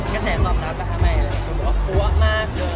ขอบคุณค่ะ